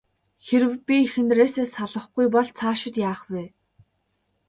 Хэрэв би эхнэрээсээ салахгүй бол цаашид яах вэ?